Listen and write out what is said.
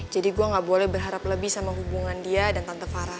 jadi gue gak boleh berharap lebih sama hubungan dia dan tante farah